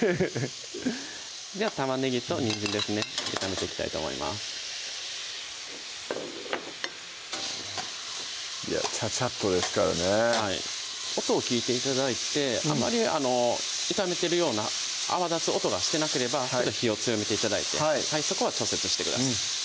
では玉ねぎとにんじんですね炒めていきたいと思いますちゃちゃっとですからねはい音を聞いて頂いてあまり炒めてるような泡立つ音がしてなければ火を強めて頂いてそこは調節してください